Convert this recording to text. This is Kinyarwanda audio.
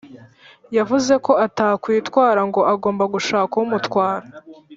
yavuze ko atakwitwara ngo agomba gushaka umutwara